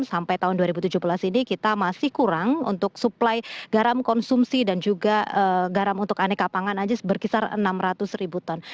sampai tahun dua ribu tujuh belas ini kita masih kurang untuk suplai garam konsumsi dan juga garam untuk aneka pangan aja berkisar enam ratus ribu ton